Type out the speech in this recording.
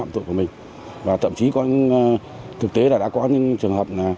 thực tế là đã có những trường hợp